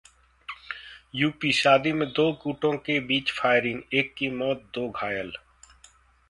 UP शादी में दो गुटों के बीच फायरिंग, एक की मौत, दो घायल